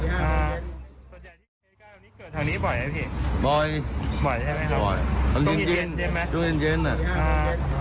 ส่วนใหญ่ที่เกิดทางนี้บ่อยไหมพี่บ่อยบ่อยใช่ไหมครับบ่อยตรงที่เย็นเย็นไหมตรงที่เย็นเย็นอ่ะอ่า